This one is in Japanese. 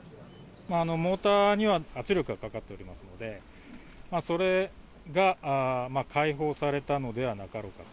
モーターには圧力がかかっておりますので、それが解放されたのではなかろうかと。